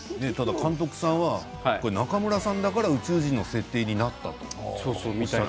監督さんは中村さんだから宇宙人の設定になったと。